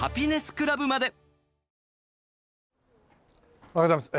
おはようございます。